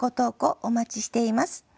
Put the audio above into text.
お待ちしています。